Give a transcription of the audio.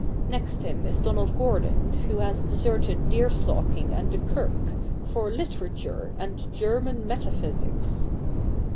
Next him is Donald Gordon, who has deserted deer stalking and the Kirk, for literature and German metaphysics.'